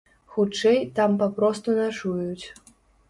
Хутчэй, там папросту начуюць.